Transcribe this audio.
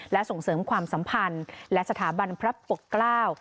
และส่งเสริมความสัมพันธ์และสถาบันพระปกเกล้า